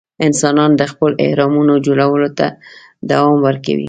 انسانان د خپلو اهرامونو جوړولو ته دوام ورکوي.